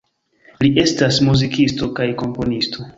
Li estas muzikisto kaj komponisto.